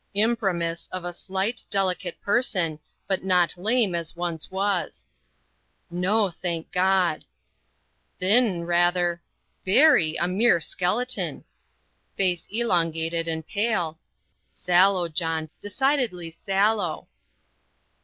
"Imprimis, of a slight, delicate person, but not lame as once was." "No, thank God!" "Thin, rather " "Very a mere skeleton!" "Face elongated and pale " "Sallow, John, decidedly sallow."